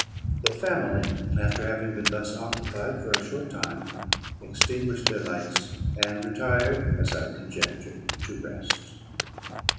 "The family, after having been thus occupied for a short time, extinguished their lights, and retired, as I conjectured, to rest."